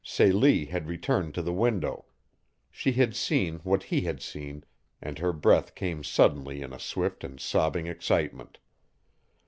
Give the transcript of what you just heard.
Celie had returned to the window. She had seen what he had seen, and her breath came suddenly in a swift and sobbing excitement.